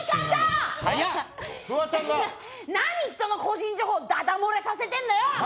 何人の個人情報だだ漏れさせてんのよ！